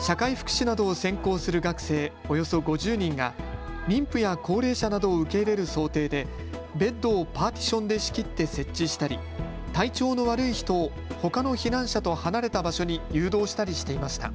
社会福祉などを専攻する学生およそ５０人が妊婦や高齢者などを受け入れる想定でベッドをパーティションで仕切って設置したり体調の悪い人をほかの避難者と離れた場所に誘導したりしていました。